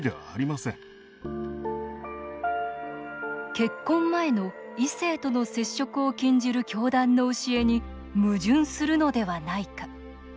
結婚前の異性との接触を禁じる教団の教えに矛盾するのではないか。